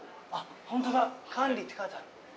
ほんとだ「管理」って書いてある。